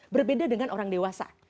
berbeda dengan orang dewasa